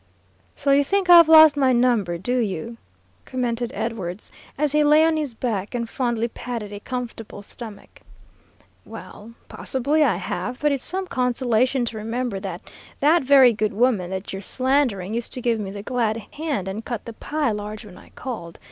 "So you think I've lost my number, do you?" commented Edwards, as he lay on his back and fondly patted a comfortable stomach. "Well, possibly I have, but it's some consolation to remember that that very good woman that you're slandering used to give me the glad hand and cut the pie large when I called.